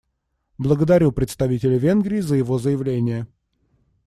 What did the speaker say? Благодарю представителя Венгрии за его заявление.